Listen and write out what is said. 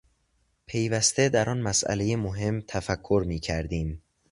پیوسته در آن مسئلهٔ مهم تفکر میکردیم.